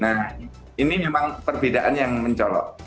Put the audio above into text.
nah ini memang perbedaan yang mencolok